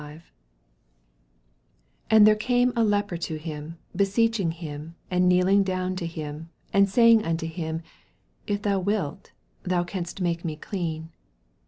40 And there came a leper to him, beseeching him, and kneeling down to him, and saying unto him, If thou wilt, thou canst make me clean.